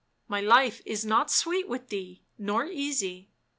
My life is not sweet with thee nor easy.